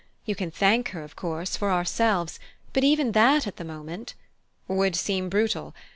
You can thank her, of course, for ourselves, but even that at the moment " "Would seem brutal?